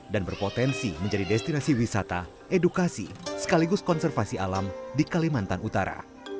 dan berpotensi menjadi destinasi wisata edukasi sekaligus konservasi alam di kalimantan utara